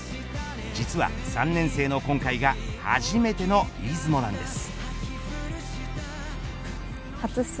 実は、３年生の今回が初めての出雲なんです。